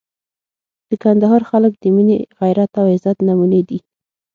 د کندهار خلک د مینې، غیرت او عزت نمونې دي.